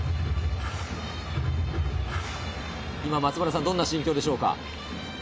今、松原さん、どんな心境でしょうか？